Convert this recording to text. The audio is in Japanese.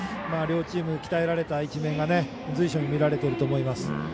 両チーム鍛えられた一面が随所に見られていると思います。